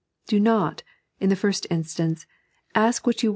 Do not, in the first instance, ask what you want 3.